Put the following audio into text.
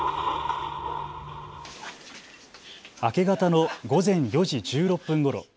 明け方の午前４時１６分ごろ。